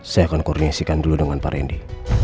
saya akan koordinasikan dulu dengan pak randy